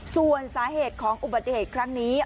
ส่วนสาเหตุของอุบัติเหตุครั้งนี้